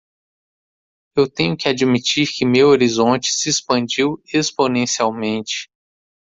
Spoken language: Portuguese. Eu tenho que admitir que meu horizonte se expandiu exponencialmente.